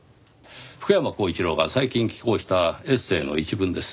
福山光一郎が最近寄稿したエッセーの一文です。